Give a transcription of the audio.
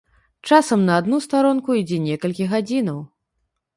Часам на адну старонку ідзе некалькі гадзінаў.